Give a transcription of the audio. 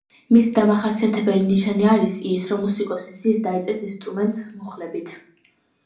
მისი დამახასიათებელი ნიშანი არის ის, რომ მუსიკოსი ზის და იწერს ინსტრუმენტს მუხლებით.